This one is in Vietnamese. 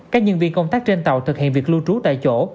các nhân viên công tác trên tàu thực hiện việc lưu trú tại chỗ